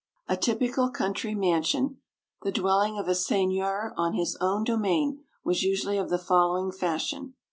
A typical country mansion, the dwelling of a seigneur on his own domain, was usually of the following fashion.